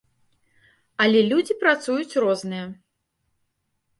Але людзі працуюць розныя.